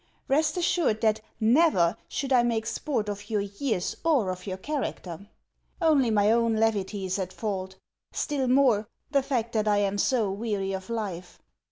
Rest assured that NEVER should I make sport of your years or of your character. Only my own levity is at fault; still more, the fact that I am so weary of life.